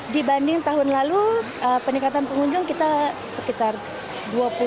dibanding tahun lalu peningkatan pengunjung kita sekitar dua puluh